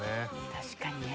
確かにね。